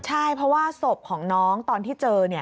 ใช่เพราะว่าศพของน้องตอนที่เจอ